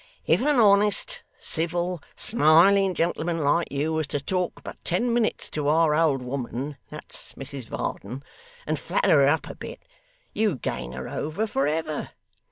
If an honest, civil, smiling gentleman like you, was to talk but ten minutes to our old woman that's Mrs Varden and flatter her up a bit, you'd gain her over for ever.